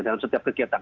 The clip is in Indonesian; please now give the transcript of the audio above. dalam setiap kegiatan